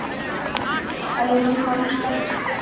ایا نور کار نشته؟